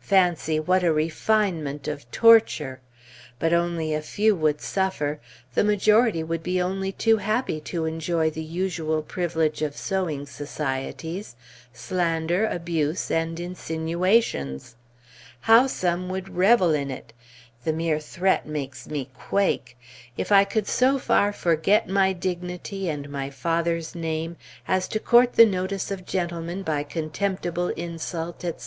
Fancy what a refinement of torture! But only a few would suffer; the majority would be only too happy to enjoy the usual privilege of sewing societies, slander, abuse, and insinuations. How some would revel in it. The mere threat makes me quake! If I could so far forget my dignity, and my father's name, as to court the notice of gentlemen by contemptible insult, etc.